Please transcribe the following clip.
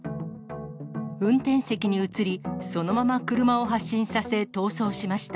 運転席に移り、そのまま車を発進させ、逃走しました。